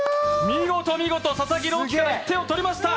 見事、見事、佐々木朗希から１点取りました。